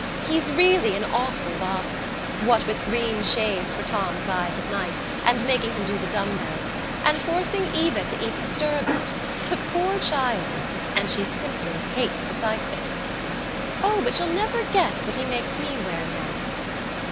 "He's really an awful bother, what with green shades for Tom's eyes at night and making him do the dumb bells, and forcing Eva to eat the stirabout. The poor child! And she simply hates the sight of it!... O, but you'll never guess what he makes me wear now!"